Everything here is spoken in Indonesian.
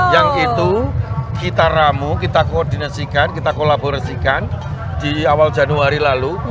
yang itu kita ramu kita koordinasikan kita kolaborasikan di awal januari lalu